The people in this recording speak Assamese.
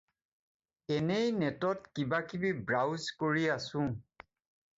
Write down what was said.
এনেই নেটত কিবা কিবি ব্ৰাউজ কৰি আছোঁ।